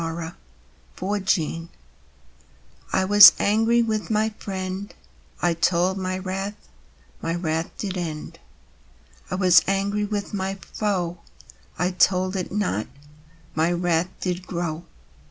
A POISON TREE I was angry with my friend: I told my wrath, my wrath did end. I was angry with my foe: I told it not, my wrath did grow.